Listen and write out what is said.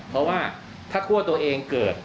เพราะว่าถ้าคั่วตัวเองเกิด